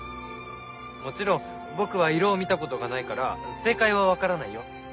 もちろん僕は色を見たことがないから正解は分からないよ。